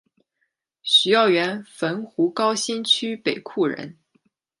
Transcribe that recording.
许耀元汾湖高新区北厍人。